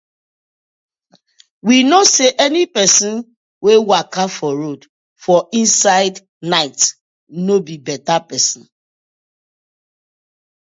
We kno say any pesin wey waka for road for inside inside night no bi beta pesin.